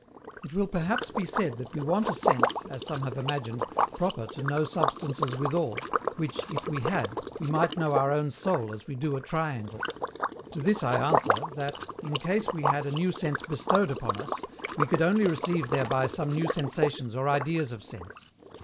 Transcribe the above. It will perhaps be said that we want a sense (as some have imagined) proper to know substances withal, which, if we had, we might know our own soul as we do a triangle. To this I answer, that, in case we had a new sense bestowed upon us, we could only receive thereby some new sensations or ideas of sense.